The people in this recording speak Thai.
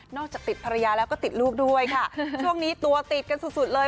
จากติดภรรยาแล้วก็ติดลูกด้วยค่ะช่วงนี้ตัวติดกันสุดสุดเลย